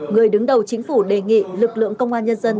người đứng đầu chính phủ đề nghị lực lượng công an nhân dân